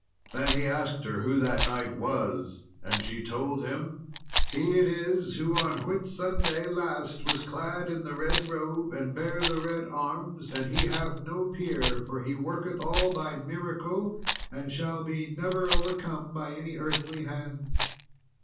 Then he asked her who that knight was, and she told him, "He it is who on Whit Sunday last was clad in the red robe, and bare the red arms; and he hath no peer, for he worketh all by miracle, and shall be never overcome by any earthly hands."